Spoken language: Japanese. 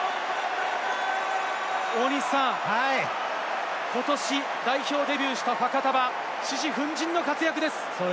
大西さん、ことし代表デビューしたファカタヴァ、獅子奮迅の活躍です。